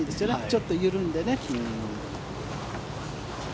ちょっと緩んでね。